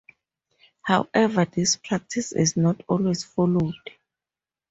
However, this practice is not always followed.